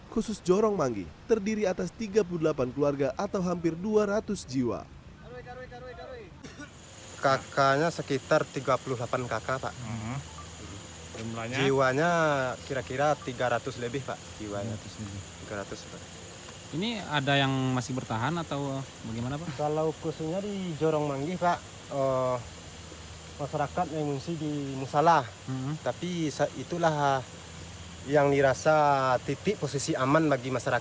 khusus jorong manggi terdiri atas tiga puluh delapan keluarga atau hampir dua ratus jiwa